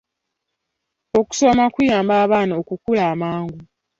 Okusoma kuyamba abaana okukula amangu.